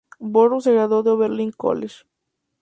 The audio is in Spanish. Burrows se graduó de Oberlin College.